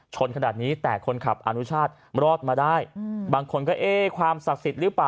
ชนขนาดนี้แต่คนขับอนุชาติรอดมาได้บางคนก็เอ๊ะความศักดิ์สิทธิ์หรือเปล่า